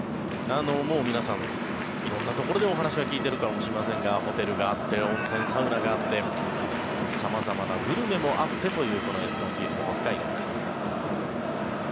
もう皆さん、色んなところでお話は聞いているかもしれませんがホテルがあって温泉、サウナがあって様々なグルメもあってというこのＥＳＣＯＮＦＩＥＬＤＨＯＫＫＡＩＤＯです。